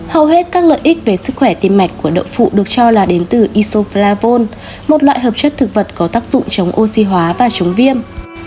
hầu hết các lợi ích về sức khỏe tim mạch của đậu phụ được cho là đến từ isoflavol một loại hợp chất thực vật có tác dụng chống oxy hóa và chống viêm